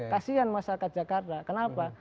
kasian masyarakat jakarta kenapa